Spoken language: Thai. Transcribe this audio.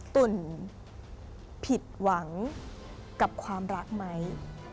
ตุ่นผิดหวังกับความรักไหม